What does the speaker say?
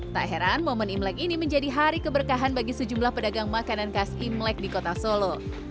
tak heran momen imlek ini menjadi hari keberkahan bagi sejumlah pedagang makanan khas imlek di kota solo